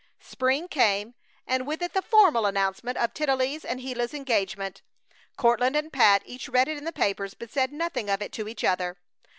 Spring came, and with it the formal announcement of Tennelly's and Gila's engagement. Courtland and Pat each read it in the papers, but said nothing of it to each other.